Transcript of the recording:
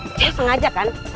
lo sengaja kan